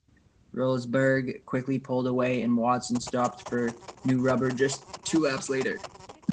Rosberg quickly pulled away and Watson stopped for new rubber just two laps later.